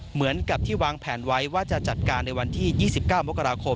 เหมือนกับที่วางแผนไว้ว่าจะจัดการในวันที่๒๙มกราคม